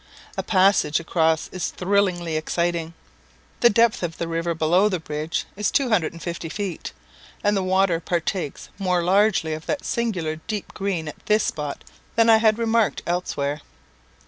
A passage across is thrillingly exciting. The depth of the river below the bridge is two hundred and fifty feet, and the water partakes more largely of that singular deep green at this spot than I had remarked elsewhere.